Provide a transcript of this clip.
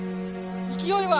勢いは。